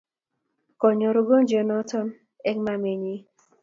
konyor ungojwet noton eng ma met ne nyin